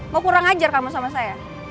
mau kurang ajar kamu sama saya